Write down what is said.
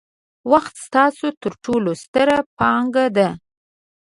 وخت ستاسو ترټولو ستره پانګه ده.